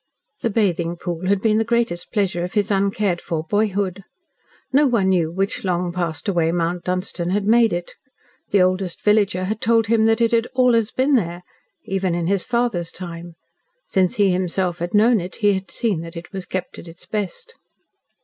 The bathing pool had been the greatest pleasure of his uncared for boyhood. No one knew which long passed away Mount Dunstan had made it. The oldest villager had told him that it had "allus ben there," even in his father's time. Since he himself had known it he had seen that it was kept at its best.